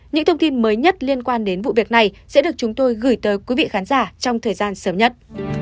những thông tin mới nhất liên quan đến vụ việc này sẽ được chúng tôi gửi tới quý vị khán giả trong thời gian sớm nhất